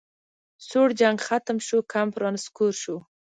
سوړ جنګ ختم شو کمپ رانسکور شو